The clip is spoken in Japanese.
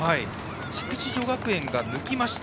筑紫女学園が抜きました。